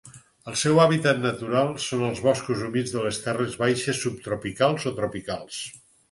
El seu hàbitat natural són els boscos humits de les terres baixes subtropicals o tropicals.